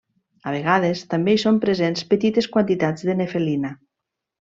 A vegades també hi són presents petites quantitats de nefelina.